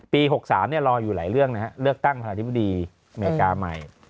๖๓รออยู่หลายเรื่องนะฮะเลือกตั้งประธานาธิบดีอเมริกาใหม่